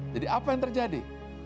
jadi apa yang terjadi